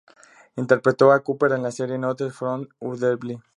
Interpretó a Cooper en la serie "Notes from the Underbelly".